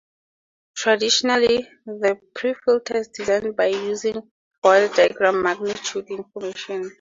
Traditionally, the pre-filter is designed by using the Bode-diagram magnitude information.